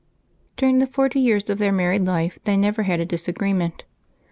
During the forty years of their married life they never had a disagreement.